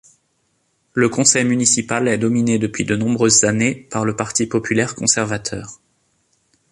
Le conseil municipal est dominé depuis de nombreuses années par le Parti populaire conservateur.